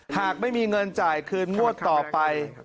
หากไม่มีเงินจ่ายคืนงวดต่อไป